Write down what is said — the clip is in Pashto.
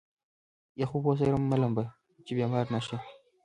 يخو اوبو سره مه لامبه چې بيمار نه شې.